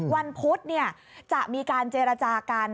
วันพุธจะมีการเจรจากัน